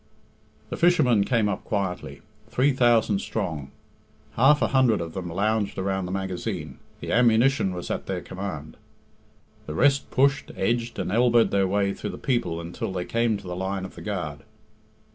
The fishermen came up quietly, three thousand strong. Half a hundred of them lounged around the magazine the ammunition was at their command. The rest pushed, edged, and elbowed their way through the people until they came to the line of the guard.